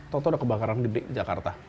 tau tau ada kebakaran di jakarta